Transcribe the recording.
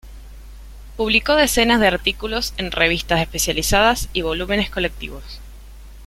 Publicó decenas de artículos en revistas especializadas y volúmenes colectivos.